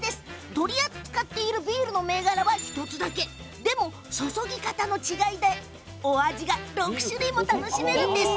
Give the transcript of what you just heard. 取り扱っているビールの銘柄は１つだけなんですが注ぎ方の違いだけで６種類もあるんですよ。